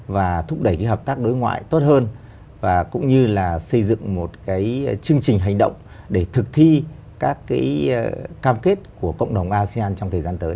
và thúc đẩy hợp tác đối ngoại tốt hơn và cũng như là xây dựng một chương trình hành động để thực thi các cam kết của cộng đồng asean trong thời gian tới